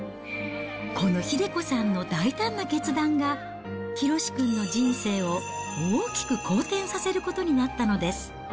この英子さんの大胆な決断が、ヒロシ君の人生を大きく好転させることになったのです。